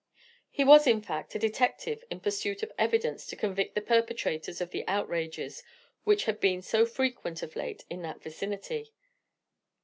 He was, in fact, a detective in pursuit of evidence to convict the perpetrators of the outrages which had been so frequent of late in that vicinity.